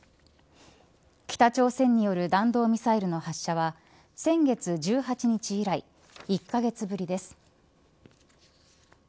北朝鮮による弾道ミサイルの発射は先月１８日以来１カ月ぶりです。